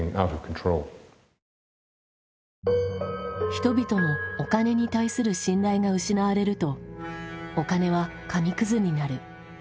人々のお金に対する信頼が失われるとお金は紙くずになる。